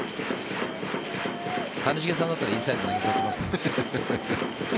谷繁さんだったらインサイド投げさせます？